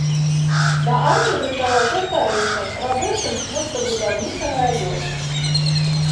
Да арміі працаваў трактарыстам, рабочым мостабудаўнічага раёна.